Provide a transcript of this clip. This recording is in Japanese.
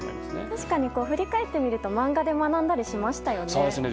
確かに振り返ってみると漫画で学んだりしましたよね。